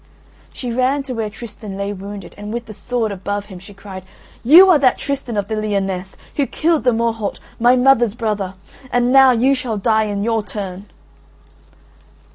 She ran to where Tristan lay wounded, and with the sword above him she cried: "You are that Tristan of the Lyonesse, who killed the Morholt, my mother's brother, and now you shall die in your turn."